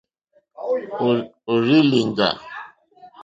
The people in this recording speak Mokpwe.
Òrzì lìŋɡá.